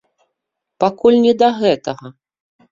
Пакуль не да гэтага.